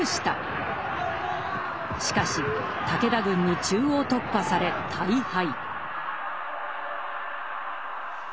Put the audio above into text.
しかし武田軍に中央突破され大敗。